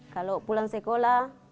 kalau pulang sekolah